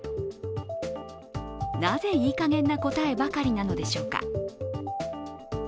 なぜいいかげんな答えばかりなのでしょうか。